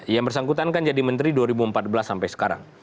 yang bersangkutan kan jadi menteri dua ribu empat belas sampai sekarang